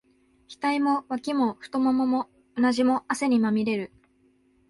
額も、脇も、太腿も、うなじも、汗にまみれる。